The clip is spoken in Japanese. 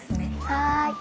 はい。